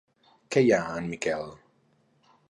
Que hi ha en Miquel?